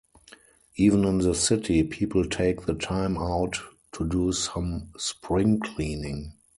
Even in the city, people take the time out to do some spring cleaning.